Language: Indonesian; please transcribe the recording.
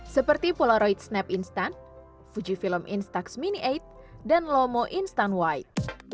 seperti polaroid snap instant fujifilm instax mini delapan dan lomo instant wide